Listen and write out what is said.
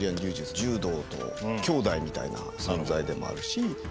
柔道と兄弟みたいな存在でもあるし。